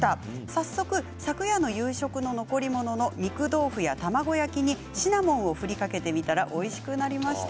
早速、昨夜の夕食の残り物の肉豆腐や卵焼きにシナモンを振りかけてみたらおいしくなりました。